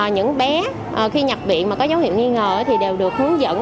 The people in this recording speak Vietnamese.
những bé khi nhập viện mà có dấu hiệu nghi ngờ thì đều được hướng dẫn